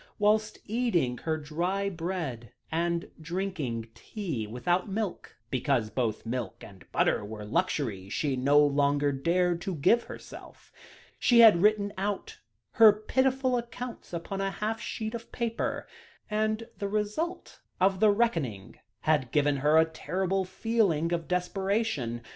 Whilst eating her dry bread, and drinking tea without milk, because both milk and butter were luxuries she no longer dared to give herself, she had written out her pitiful accounts upon a half sheet of paper; and the result of the reckoning had given her a terrible feeling of desperation.